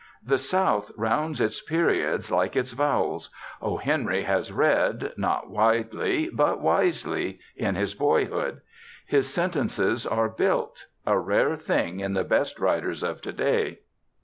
The South rounds its periods like its vowels; O. Henry has read, not widely, but wisely, in his boyhood. His sentences are built a rare thing in the best writers of to day.